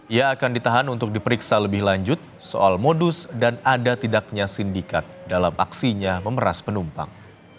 ia akan ditahan untuk diperiksa lebih lanjut soal modus dan ada tidaknya sindikat dalam aksinya memeras penumpang